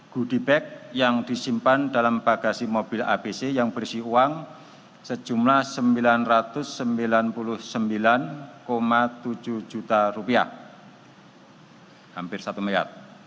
goodie bag yang disimpan dalam bagasi mobil abc yang berisi uang sejumlah rp sembilan ratus sembilan puluh sembilan tujuh juta rupiah hampir satu miliar